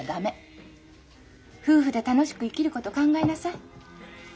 夫婦で楽しく生きること考えなさい。